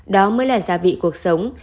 đó mới là gia vị cuộc sống